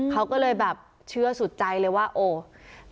เขาก็เลยแบบเชื่อสุดใจเลยว่าโอ้